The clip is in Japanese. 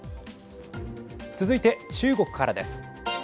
続いて中国からです。